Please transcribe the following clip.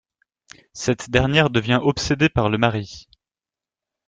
Cette dernière devient obsédée par le mari...